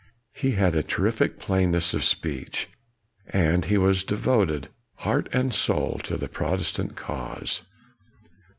He had a terrific plainness of speech. And he was devoted, heart and soul, to the Protestant cause.